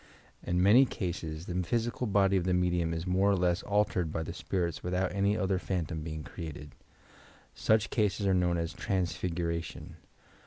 In many cases the physical body of the medium is more or less altered by the spirits without any other phantom being created. Such cases are known as "transfiguration."